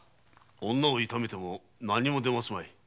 女を痛めても何も出ますまい。